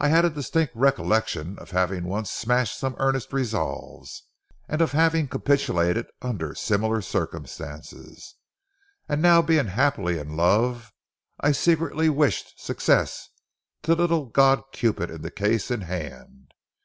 I had a distinct recollection of having once smashed some earnest resolves, and of having capitulated under similar circumstances, and now being happily in love, I secretly wished success to the little god Cupid in the case in hand.